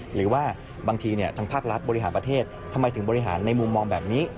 หรือว่าบางทีทางภาครัฐบริหารประเทศทำไมถึงบริหารในมุมมองแบบนี้